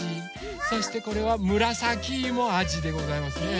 そしてこれはむらさきいもあじでございますね。